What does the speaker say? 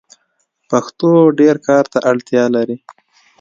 پښتو ډير کار ته اړتیا لري.